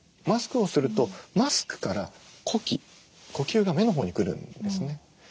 マスクをするとマスクから呼気呼吸が目のほうに来るんですね。